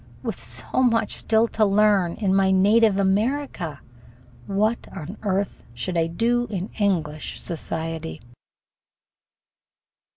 With so much still to learn in my native America, what on earth should I do in English society?